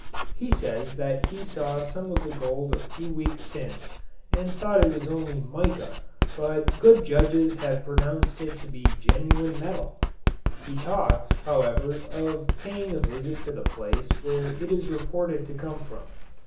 He says that he saw some of this gold a few weeks since, and thought it was only "mica," but good judges have pronounced it to be genuine metal. He talks, however, of paying a visit to the place where it is reported to come from.